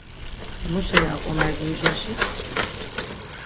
Mu şeni aǩonari guişaşi?